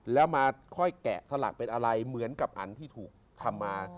แล้วมาค่อยแกะสลักเป็นอะไรเหมือนกับอันที่ถูกทำมา